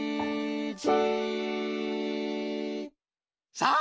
さあ！